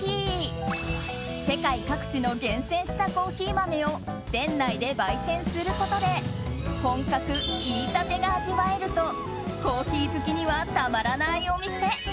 世界各地の厳選したコーヒー豆を店内で焙煎することで本格いりたてが味わえるとコーヒー好きにはたまらないお店。